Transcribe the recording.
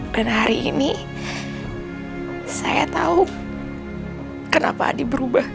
dan hari ini saya tahu kenapa adi berubah